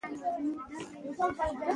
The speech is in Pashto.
نو انسان د زيات او بې کنټروله